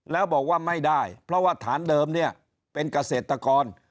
แล้วบอกว่าไม่ได้เพราะว่าฐานเดิมเนี่ยเป็นเกษตรกร